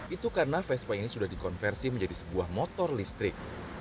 itu karena vespa ini sudah dikonversi menjadi sebuah motor listrik